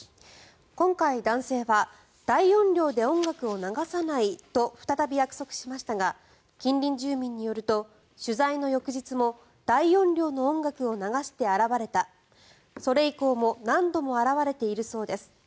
今回、男性は大音量で音楽を流さないと再び約束しましたが近隣住民によると取材の翌日も大音量の音楽を流して現れたそれ以降も何度も現れているそうです。